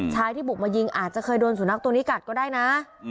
ที่บุกมายิงอาจจะเคยโดนสุนัขตัวนี้กัดก็ได้นะ